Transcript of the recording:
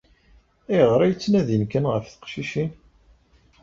Ayɣer ay ttnadin kan ɣef teqcicin?